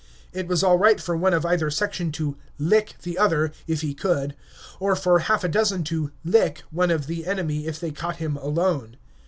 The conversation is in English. It was all right for one of either section to "lick" the other if he could, or for half a dozen to "lick" one of the enemy if they caught him alone.